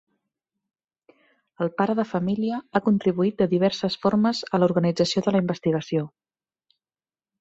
El pare de família ha contribuït de diverses formes a l"organització de la investigació.